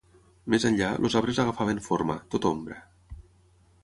Més enllà, els arbres agafaven forma, tot ombra.